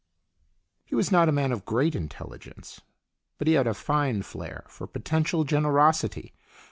He was not a man of great intelligence, but he had a fine flair for potential generosity.